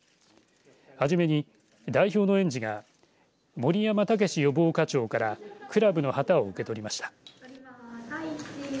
初めに代表の園児が森山剛予防課長からクラブの旗を受け取りました。